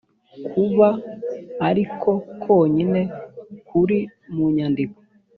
kuba ariko konyine kuri mu nyandiko